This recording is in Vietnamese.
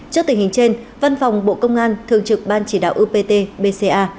trước tình hình trên văn phòng bộ công an thường trực ban chỉ đạo upt bca